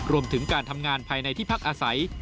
รวมถึงการทำงานภายในที่พักอาศัย